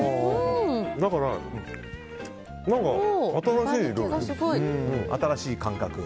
だから新しい料理。